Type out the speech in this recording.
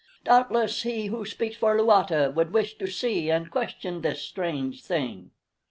Doubtless He Who Speaks for Luata would wish to see and question this strange thing."